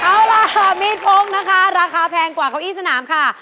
เอาล่ะมีดพงนะคะราคาแพงกว่าเก้าอี้สนามค่ะ